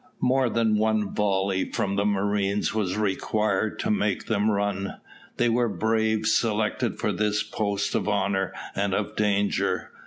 More than one volley from the marines was required to make them run. They were braves selected for this post of honour and of danger.